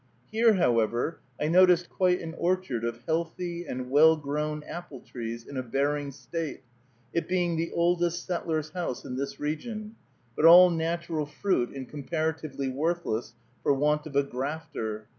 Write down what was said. Here, however, I noticed quite an orchard of healthy and well grown apple trees, in a bearing state, it being the oldest settler's house in this region, but all natural fruit and comparatively worthless for want of a grafter.